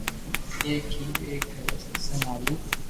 ايڪ ھير ايڪ گھري ستسينگ ھالتي